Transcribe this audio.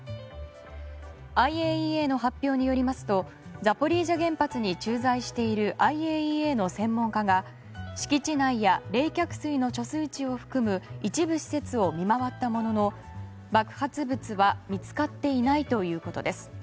ＩＡＥＡの発表によりますとザポリージャ原発に駐在しているＩＡＥＡの専門家が敷地内や、冷却水の貯水池を含む一部施設を見回ったものの爆発物は見つかっていないということです。